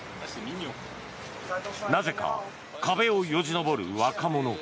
なぜか壁をよじ登る若者。